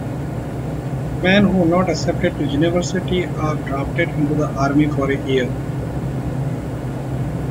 Men who weren't accepted to university are drafted into the army for a year.